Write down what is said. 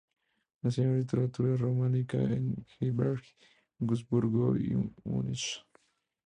Enseñó literatura románica en Heidelberg, Wurzburgo y Múnich.